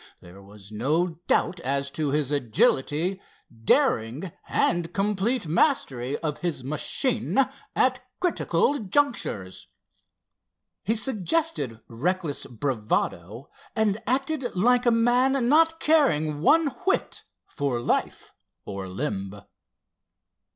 There was no doubt as to his agility, daring and complete mastery of his machine at critical junctures. He suggested reckless bravado, and acted like a man not caring one whit for life or limb.